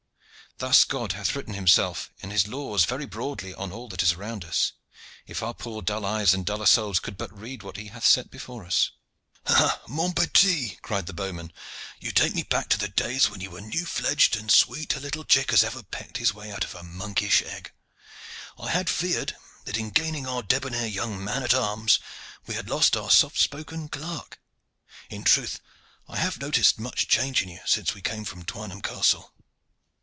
Thus God hath written Himself and His laws very broadly on all that is around us, if our poor dull eyes and duller souls could but read what He hath set before us." "Ha! mon petit," cried the bowman, "you take me back to the days when you were new fledged, as sweet a little chick as ever pecked his way out of a monkish egg. I had feared that in gaining our debonair young man at arms we had lost our soft spoken clerk. In truth, I have noted much change in you since we came from Twynham Castle."